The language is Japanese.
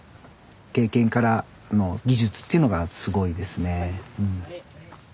経験からの技術っていうのがすごいですね。